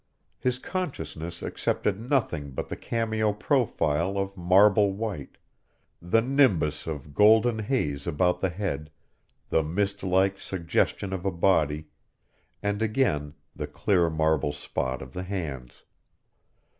His consciousness accepted nothing but the cameo profile of marble white, the nimbus of golden haze about the head, the mist like suggestion of a body, and again the clear marble spot of the hands.